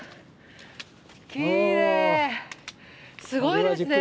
すごいですね！